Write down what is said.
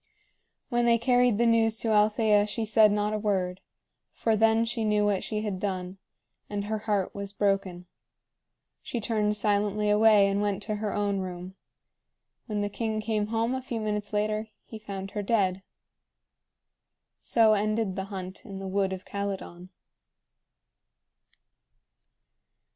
When they carried the news to Althea she said not a word, for then she knew what she had done, and her heart was broken. She turned silently away and went to her own room. When the king came home a few minutes later, he found her dead. So ended the hunt in the wood of Calydon.